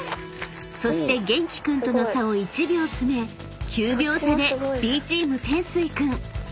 ［そしてげんき君との差を１秒詰め９秒差でＢチームてんすい君］